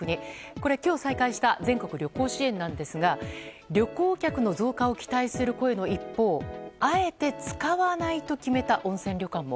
これ、今日再開した全国旅行支援なんですが旅行客の増加を期待する声の一方あえて使わないと決めた温泉旅館も。